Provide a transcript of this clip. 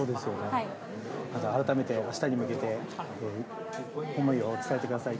改めて明日に向けて思いを伝えてください。